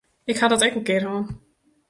Ik ha dat ek in kear hân.